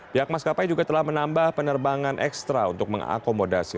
pihak maskapai juga telah menambah penerbangan ekstra untuk mengakomodasi